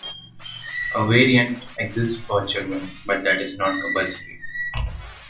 A variant exists for children, but that is not compulsory.